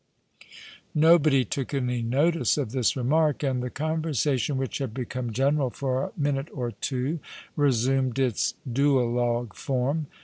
1 75 Nobody took any notice of this remark ; and the conversa tion which had become general for a minute or two resumed its duologue form.